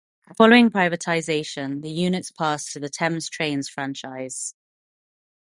Following privatisation, the units passed to the Thames Trains franchise.